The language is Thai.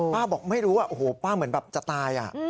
ป้าบอกไม่รู้โอ้โฮป้าเหมือนจะตาย